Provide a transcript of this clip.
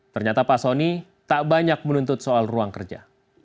ternyata pak soni tak banyak menuntut soal ruang kerja